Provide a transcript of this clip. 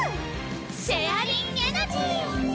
シェアリンエナジー！